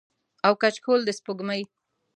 او کچکول د سپوږمۍ